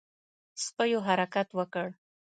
سپيو حرکت وکړ.